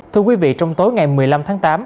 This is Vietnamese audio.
thưa quý vị trong tối ngày một mươi năm tháng tám